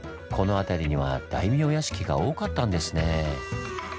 この辺りには大名屋敷が多かったんですね。